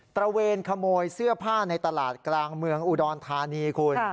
ระเวนขโมยเสื้อผ้าในตลาดกลางเมืองอุดรธานีคุณ